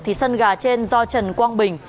thì sân gà trên do trần quang bình